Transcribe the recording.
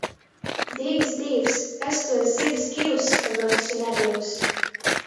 Dīvs, Dīvs, kas tuos zivs gius, ka myusu nabyus.